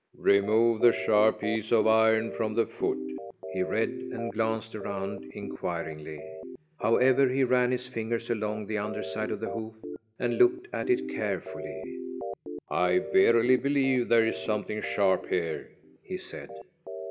"Remove the sharp piece of iron from the foot," he read and glanced around inquiringly. However, he ran his fingers along the under side of the hoof and looked at it carefully. "I verily believe there is something sharp here!" he said.